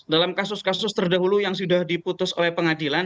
dalam kasus kasus terdahulu yang sudah diputus oleh pengadilan